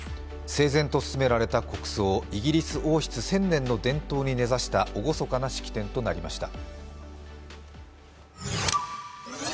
整然と進められた国葬、イギリス王室１０００年の伝統に根ざした厳かな式典となりました。